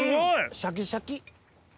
シャッキシャキ！